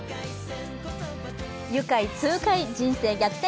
愉快、痛快、人生逆転